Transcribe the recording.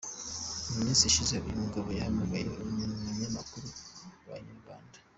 Mu minsi ishize uyu mugabo yahamagaye umunyamakuru wa Inyarwanda.